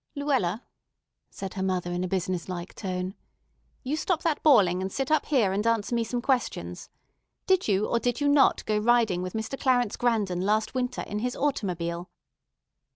"Luella," said her mother in a business like tone, "you stop that bawling, and sit up here and answer me some questions. Did you or did you not go riding with Mr. Clarence Grandon last winter in his automobile?"